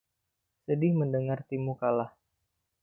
Sedih mendengar timmu kalah.